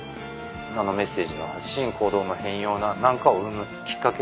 あのメッセージの発信行動の変容なんかを生むきっかけ。